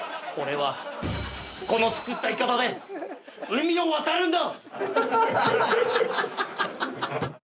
俺はこの作ったいかだで海を渡るんだ。